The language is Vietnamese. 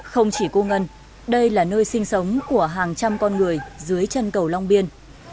không chỉ cô ngân đây là nơi sinh sống của hàng trăm con người dưới chân cầu long biên